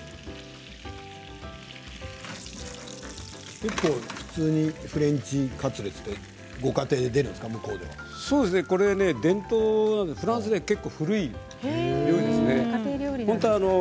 結構、普通にフレンチカツレツはご家庭でフランスでは結構、古い料理ですね。